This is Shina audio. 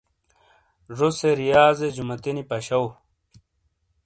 زو سے ریاضے جوماتی نی پشو